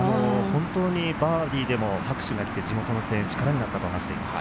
バーディーでも拍手がきて、地元の声援が力になったと話しています。